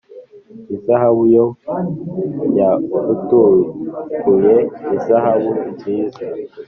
Izahabu ko yafutukuye Izahabu nziza